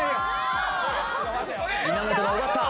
稲本が奪った！